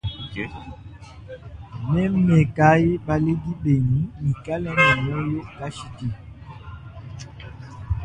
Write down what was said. Nemekayi baledi benu nuikale ne moyo kashidi.